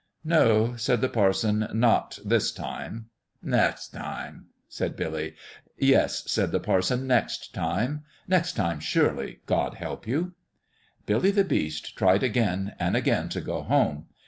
" No," said the parson ;" not this time." " Nex' time," said Billy. " Yes," said the parson ;" next time next time, surely, God help you !" Billy the Beast tried again and again to "go home."